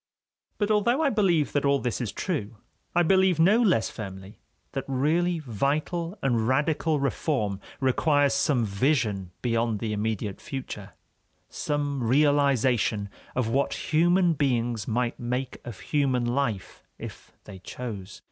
But although I believe that all this is true, I believe no less firmly that really vital and radical reform requires some vision beyond the immediate future, some realization of what human beings might make of human life if they chose.